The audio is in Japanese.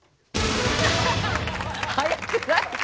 早くないか？